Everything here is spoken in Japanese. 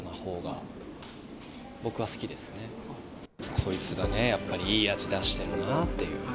こいつがねいい味出してるなっていう。